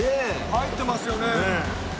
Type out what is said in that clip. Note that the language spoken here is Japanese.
入ってますよね。